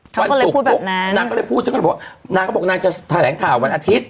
เขาก็เลยพูดแบบนั้นนางก็เลยพูดฉันก็บอกนางก็บอกนางจะถ่ายแหลงข่าววันอาทิตย์